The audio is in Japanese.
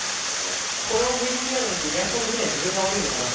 このＶＴＲを見てリアクションできない自分が悪いのかなって。